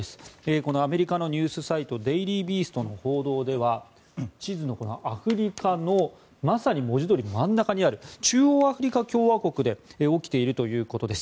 このアメリカのニュースサイトデイリービーストの報道では地図のアフリカのまさに文字どおり真ん中にある中央アフリカ共和国で起きているということです。